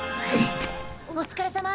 お疲れさま！